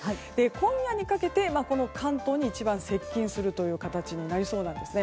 今夜にかけて関東に一番接近する形になりそうです。